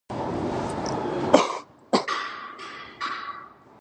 Diadectomorphs possess both amphibian and reptilian characteristics.